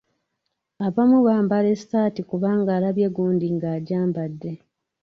Abamu bambala esaati kubanga alabye gundi ng'agyambadde.